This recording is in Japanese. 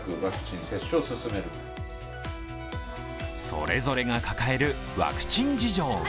それぞれが抱えるワクチン事情。